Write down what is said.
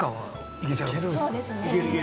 いけちゃうよ。